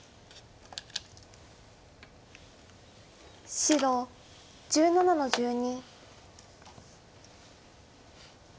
白１７の十二。